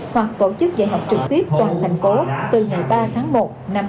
hoặc tổ chức dạy học trực tiếp toàn thành phố từ ngày ba tháng một năm hai nghìn hai mươi